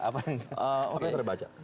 apa yang terbaca